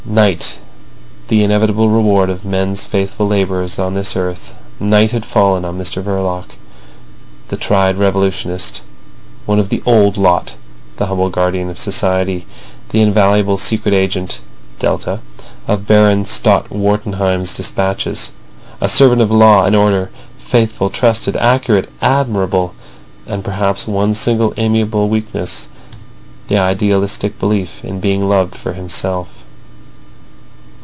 Night, the inevitable reward of men's faithful labours on this earth, night had fallen on Mr Verloc, the tried revolutionist—"one of the old lot"—the humble guardian of society; the invaluable Secret Agent [delta] of Baron Stott Wartenheim's despatches; a servant of law and order, faithful, trusted, accurate, admirable, with perhaps one single amiable weakness: the idealistic belief in being loved for himself.